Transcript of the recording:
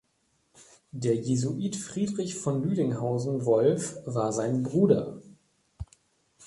Der Jesuit Friedrich von Lüdinghausen Wolff war sein Bruder.